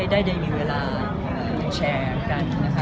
แล้วก็ได้มีเวลาแชร์กันนะคะ